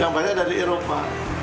yang banyak dari eropa